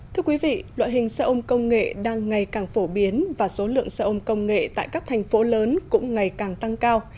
thưa quý vị loại hình xe ôm công nghệ đang ngày càng phổ biến và số lượng xe ôm công nghệ tại các thành phố lớn cũng ngày càng tăng cao